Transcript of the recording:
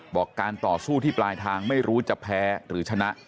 บอกการต่อสู้ที่ปลายทางไม่รู้จะแพ้หรือชนะ